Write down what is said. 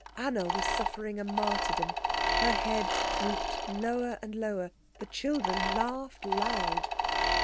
Anna was suffering a martyrdom. Her head drooped lower and lower. The children laughed loud.